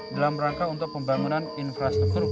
dalam rangka untuk pembangunan infrastruktur